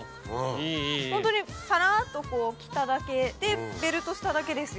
本当にさらっと着ただけでベルトしただけですよ。